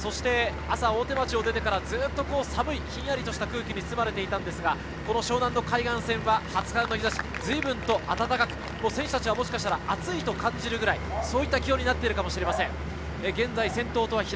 朝、大手町を出てからずっと寒い、ひんやりとした空気に包まれていたんですが、湘南の海岸線は初春の日差し、随分と暖かく、選手たちはもしかしたら暑いと感じるくらいの気温になっているかもしれません。